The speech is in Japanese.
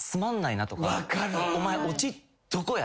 「お前オチどこや？」